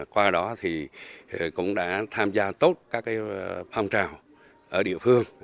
qua đó thì cũng đã tham gia tốt các phong trào ở địa phương